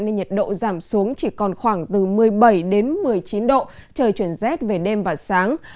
nên nhiệt độ giảm xuống chỉ còn khoảng từ một mươi bảy đến một mươi chín độ trời chuyển rét về đêm và sáng